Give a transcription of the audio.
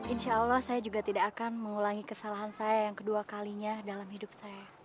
insya allah saya juga tidak akan mengulangi kesalahan saya yang kedua kalinya dalam hidup saya